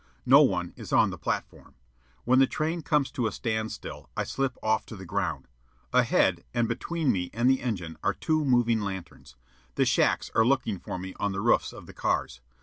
No one is on the platform. When the train comes to a standstill, I slip off to the ground. Ahead, and between me and the engine, are two moving lanterns. The shacks are looking for me on the roofs of the cars.